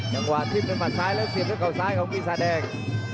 ยังหวานทิ้งด้วยมัดซ้ายและเสียบด้วยเก่าซ้ายของพี่สาดแดง